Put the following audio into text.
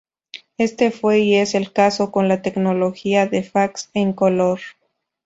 Éste fue y es el caso, con la tecnología de fax en color.